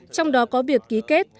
trong đó có việc ký kết